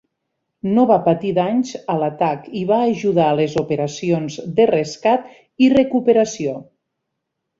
No va patir danys a l"atac i va ajudar a les operacions de rescat i recuperació.